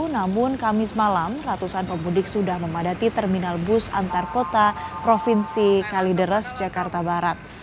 namun kamis malam ratusan pemudik sudah memadati terminal bus antar kota provinsi kalideres jakarta barat